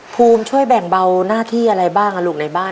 ภูมิช่วยแบ่งเบาหน้าที่อะไรบ้างลูกในบ้าน